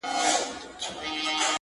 ستا په ليدو مي ژوند د مرگ سره ډغري وهي.